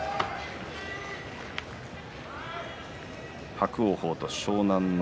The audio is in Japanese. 伯桜鵬と湘南乃